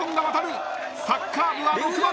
サッカー部は６番手。